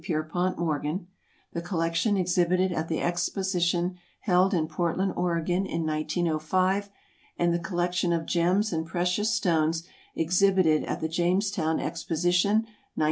Pierpont Morgan; the collection exhibited at the exposition held in Portland, Oregon, in 1905; and the collection of gems and precious stones exhibited at the Jamestown Exposition, 1907.